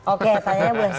oke tanya bulan september